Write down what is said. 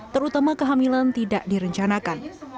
terutama kehamilan tidak direncanakan